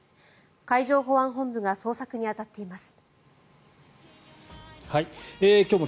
海上保安本部が捜索に当たっています。